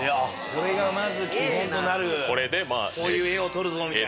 これがまず基本となるこういう絵を撮るぞ！みたいな。